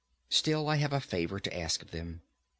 Still I have a favour to ask of them.